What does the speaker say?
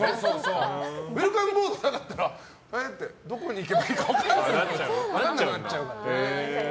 ウェルカムボードがなかったらどこに行けばいいか分からなくなっちゃうから。